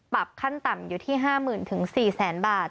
ปรับขั้นต่ำอยู่ที่๕๐๐๐๐ถึง๔๐๐๐๐๐บาท